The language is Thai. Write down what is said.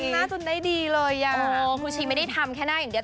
หน้าจนได้ดีเลยครูชีไม่ได้ทำแค่หน้าอย่างเดียว